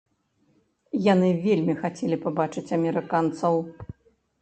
Яны вельмі хацелі пабачыць амерыканцаў?